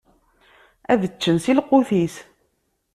Ad ččen si lqut-is.